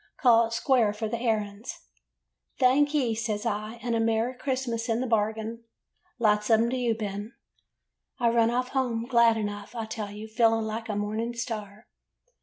Call it square for the errands.' " 'Thank 'ee,' says I, 'and a merry Christ mas in the bargain.' " 'Lots of 'em to you, Ben.' "I run off home glad enough, I tell you, feeling like a morning star.